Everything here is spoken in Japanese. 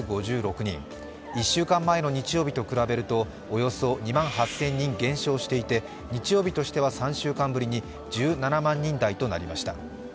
１週間前の日曜日と比べるとおよそ２万８０００人減少していて日曜日としては、３週間ぶりに１７万人台となりました。